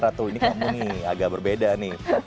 ratu ini kamu nih agak berbeda nih